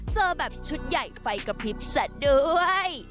เจอแบบชุดใหญ่ไฟกระพริบซะด้วย